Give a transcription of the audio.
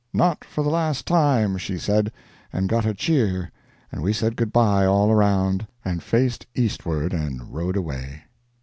"Not for the last time," she said, and got a cheer, and we said good bye all around, and faced eastward and rode away.